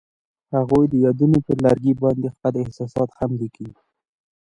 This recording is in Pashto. هغوی د یادونه پر لرګي باندې خپل احساسات هم لیکل.